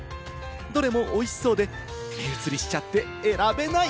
どれもおいしそうで目移りしちゃって選べない！